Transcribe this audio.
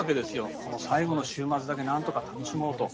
この最後の週末だけなんとか楽しもうと。